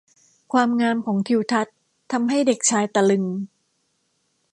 ความงามของทิวทัศน์ทำให้เด็กชายตะลึง